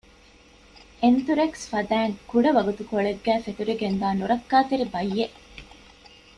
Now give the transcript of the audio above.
އެންތުރެކްސް ފަދައިން ކުޑަ ވަގުތުކޮޅެއްގައި ފެތުރިގެންދާ ނުރައްކާތެރި ބައްޔެއް